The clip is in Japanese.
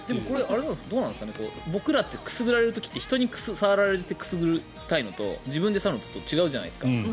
でもこれ、僕らって人にくすぐられる時って人に触られてくすぐられるのと自分で触るの違うじゃないですか。